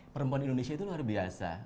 perempuan indonesia itu luar biasa